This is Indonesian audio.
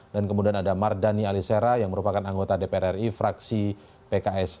kemudian ada mardani alisera yang merupakan anggota dpr ri fraksi pks